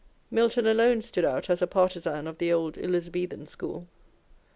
Milton alone stood out as a partisan of the old Elizabethan school.